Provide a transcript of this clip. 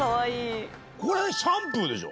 これシャンプーでしょ。